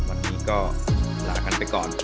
วันนี้ก็ลากันไปก่อน